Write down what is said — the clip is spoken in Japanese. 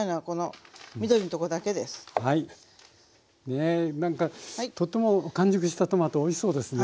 ねなんかとっても完熟したトマトおいしそうですね。